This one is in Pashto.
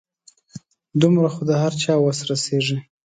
دومره خو د هر چا وس رسيږي .